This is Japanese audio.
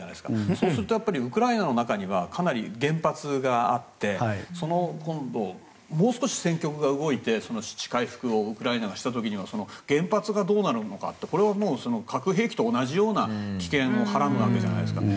そうすると、ウクライナの中には原発があって今度、もう少し戦局が動いて回復をウクライナがした場合には原発がどうなるのかって核兵器と同じような危険をはらむわけじゃないですか。